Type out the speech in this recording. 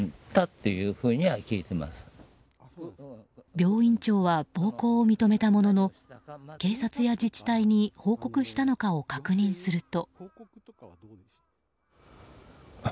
病院長は暴行を認めたものの警察や自治体に報告したのかを確認すると。